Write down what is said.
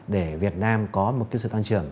để việt nam có một sự tăng trưởng